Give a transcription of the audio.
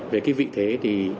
về cái vị thế thì